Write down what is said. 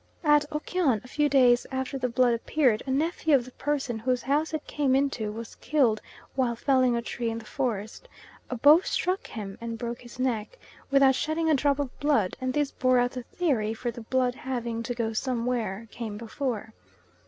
At Okyon, a few days after the blood appeared, a nephew of the person whose house it came into was killed while felling a tree in the forest; a bough struck him and broke his neck, without shedding a drop of blood, and this bore out the theory, for the blood having "to go somewhere" came before.